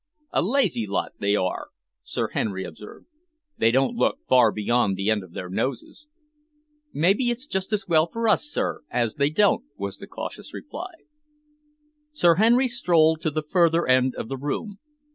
"A lazy lot they are," Sir Henry observed. "They don't look far beyond the end of their noses." "Maybe it's as well for us, sir, as they don't," was the cautious reply. Sir Henry strolled to the further end of the room.